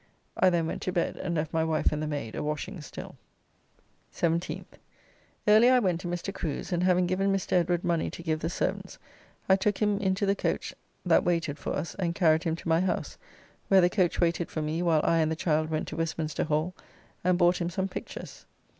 I then went to bed, and left my wife and the maid a washing still. 17th. Early I went to Mr. Crew's, and having given Mr. Edward money to give the servants, I took him into the coach that waited for us and carried him to my house, where the coach waited for me while I and the child went to Westminster Hall, and bought him some pictures.